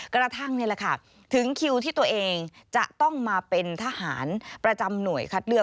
กระทั่งนี่แหละค่ะถึงคิวที่ตัวเองจะต้องมาเป็นทหารประจำหน่วยคัดเลือก